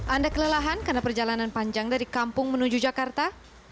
anda kelelahan karena perjalanan panjang dari kampung menuju jakarta